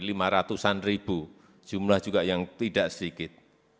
lima ratusan ribu jumlah juga yang tidak sedikit